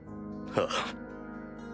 ああ。